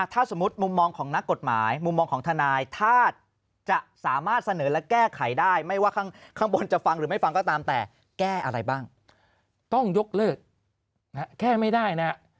ถ้าสมมุติมุมมองของนักกฎหมายมุมมองของทนายถ้าจะสามารถเสนอและแก้ไขได้